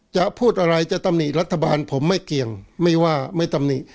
จะพูดอะไรจะตำหนิรัฐบาลผมไม่เกี่ยงไม่ว่าไม่ตำหนิ